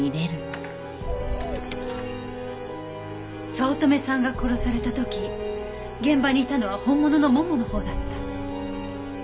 早乙女さんが殺された時現場にいたのは本物のもものほうだった。